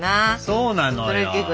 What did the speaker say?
そうなのよ。